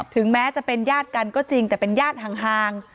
ถึงแม้จะเป็นญาติกันก็จริงแต่เป็นญาติห่าง